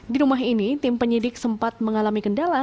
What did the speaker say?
di rumah ini tim penyidik sempat mengalami kendala